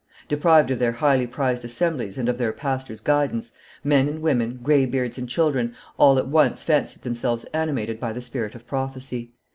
Deprived of their highly prized assemblies and of their pastors' guidance, men and women, graybeards and children, all at once fancied themselves animated by the spirit of prophecy.